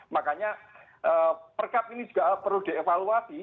makanya perkab ini juga perlu dievaluasi